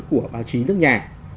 của báo chí nước nhà